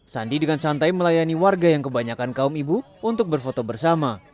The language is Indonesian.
sandi dengan santai melayani warga yang kebanyakan kaum ibu untuk berfoto bersama